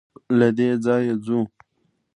له دې ځايه ځو.